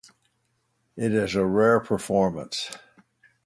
It is a rare performance.